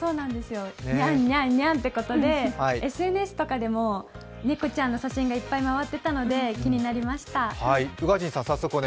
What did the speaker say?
にゃんにゃんにゃんということで、ＳＮＳとかでも猫ちゃんの写真がいっぱい回ってたので、気になりました。